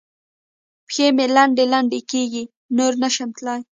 پښې مې لنډې لنډې کېږي؛ نور نه شم تلای.